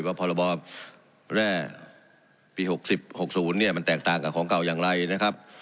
ว่าพรบแร่พศ๖๐เนี่ยมันแตกต่างกับของเก่ายังไรนะครับ